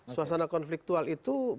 suasana konfliktual itu